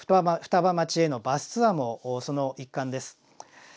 双葉町へのバスツアーもその一環です。